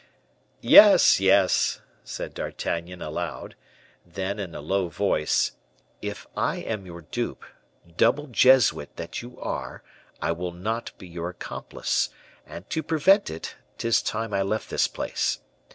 "Yes, yes," said D'Artagnan, aloud; then, in a low voice, "If I am your dupe, double Jesuit that you are, I will not be your accomplice; and to prevent it, 'tis time I left this place.